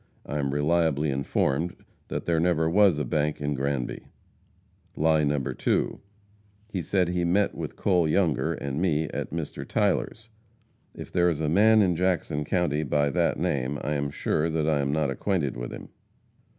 I am reliably informed that there never was a bank in Granby. Lie No. 2. He said he met with Cole Younger and me at Mr. Tyler's. If there is a man in Jackson county by that name, I am sure that I am not acquainted with him.